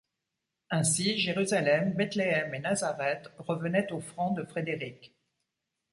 Ainsi Jérusalem, Bethléem et Nazareth revenaient aux Francs de Frédéric.